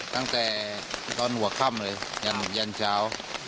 ตั้งแต่ตอนหัวค่ำเลยยันยันเช้า